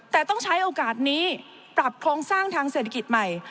แต่ต้องใช้โอกาสนี้ปรับโครงสร้างทางเศรษฐกิจใหม่